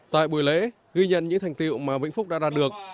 tại buổi lễ ghi nhận những thành tiệu mà vĩnh phúc đã đạt được